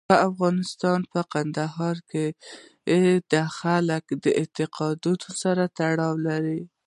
په افغانستان کې کندهار د خلکو د اعتقاداتو سره تړاو لري.